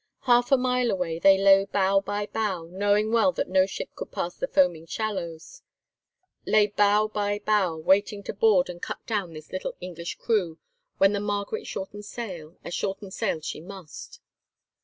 Half a mile away they lay bow by bow, knowing well that no ship could pass the foaming shallows; lay bow by bow, waiting to board and cut down this little English crew when the Margaret shortened sail, as shorten sail she must.